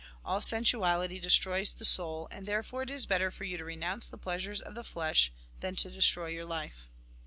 All sensuality destroys the soul, and therefore it is better for you to renounce the pleasure of the flesh than to destroy your life.